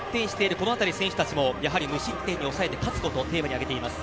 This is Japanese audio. この辺りは選手たちもやはり無失点に抑えて勝つことをテーマに挙げています。